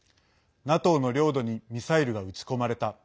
ＮＡＴＯの領土にミサイルが撃ち込まれた。